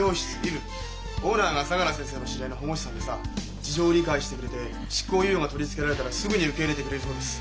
オーナーが相楽先生の知り合いの保護司さんでさ事情を理解してくれて執行猶予が取り付けられたらすぐに受け入れてくれるそうです。